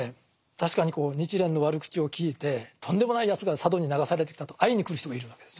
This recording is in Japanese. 確かに日蓮の悪口を聞いてとんでもないやつが佐渡に流されてきたと会いに来る人がいるわけです。